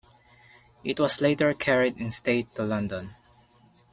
It was later carried in state to London.